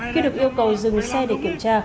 khi được yêu cầu dừng xe để kiểm tra